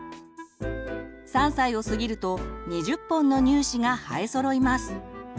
３歳を過ぎると２０本の乳歯が生えそろいます。